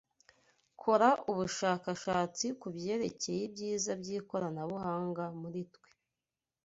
Kora ubushakashatsi kubyerekeye ibyiza by'ikoranabuhanga muri twe